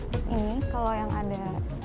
terus ini kalau yang ada